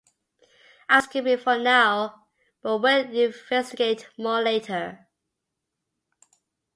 I’ll skip it for now, but will investigate more later.